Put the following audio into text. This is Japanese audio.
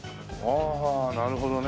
ああなるほどね。